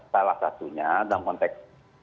salah satunya dalam konteks